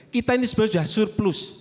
kita ini sebenarnya surplus